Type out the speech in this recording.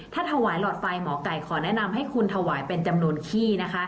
ถ้าถวายหลอดไฟหมอไก่ขอแนะนำให้คุณถวายเป็นจำนวนขี้นะคะ